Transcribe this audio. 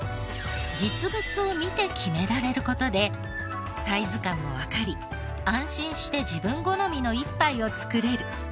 実物を見て決められる事でサイズ感もわかり安心して自分好みの一杯を作れる。